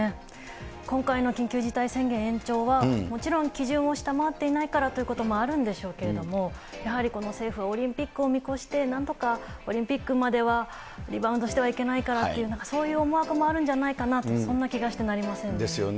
今回の緊急事態宣言延長は、もちろん、基準を下回っていないからということもあるんでしょうけれども、やはりこの政府はオリンピックを見越して、なんとかオリンピックまではリバウンドしてはいけないからっていう、そういう思惑もあるんじゃないかなという、そんな気がしてなりませんね。